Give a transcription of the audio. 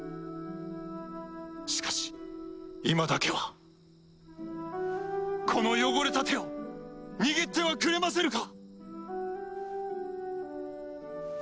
しかし今だけはこの汚れた手を握ってはくれませぬか？